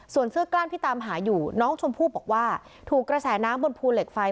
ส่วนเสื้อกล้ามที่ตามหาอยู่น้องชมพู่บอกว่าถูกกระแสน้ำบนภูเหล็กไฟ